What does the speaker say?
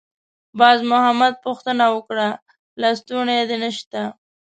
باز محمد پوښتنه وکړه: «لستوڼی دې نشته؟»